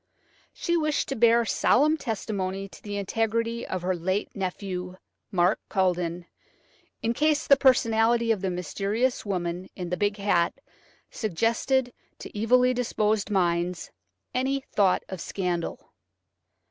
She wished to bear solemn testimony to the integrity of her late nephew, Mark Culledon, in case the personality of the mysterious woman in the big hat suggested to evilly disposed minds any thought of scandal.